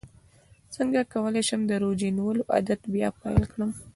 څنګه کولی شم د روژې نیولو عادت بیا پیل کړم